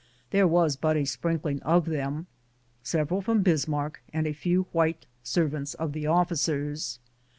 There was but a sprinkling of them : several from Bismarck and a few white servants of the ofiicers.